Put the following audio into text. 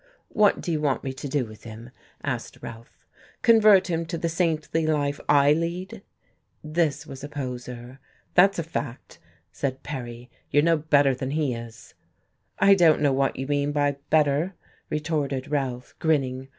"What do you want me to do with him?" asked Ralph. "Convert him to the saintly life I lead?" This was a poser. "That's a fact," sand Perry, "you're no better than he is." "I don't know what you mean by 'better,'" retorted Ralph, grinning.